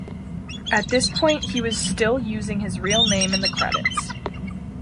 At this point he was still using his real name in the credits.